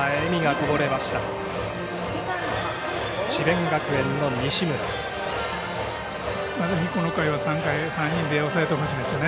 この回は３人で抑えてほしいですよね。